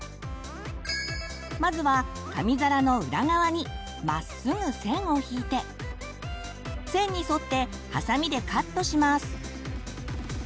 まずは紙皿の裏側にまっすぐ線を引いて線に沿ってハサミでカットします。